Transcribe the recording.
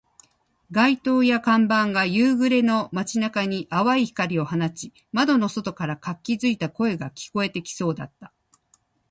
街灯や看板が夕暮れの街中に淡い光を放ち、窓の外から活気付いた声が聞こえてきそうだった